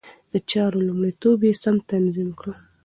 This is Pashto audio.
د چارو لومړيتوب يې سم تنظيم کړ.